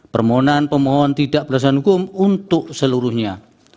permohonan pemohon tidak berdasarkan hukum untuk seluruhnya